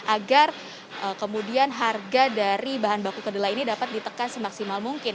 agar kemudian harga dari bahan baku kedelai ini dapat ditekan semaksimal mungkin